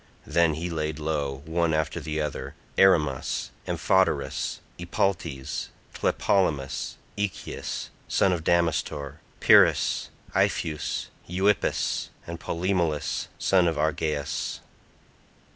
Then he laid low, one after the other, Erymas, Amphoterus, Epaltes, Tlepolemus, Echius son of Damastor, Pyris, Ipheus, Euippus and Polymelus son of Argeas.